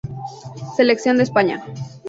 Selección de España.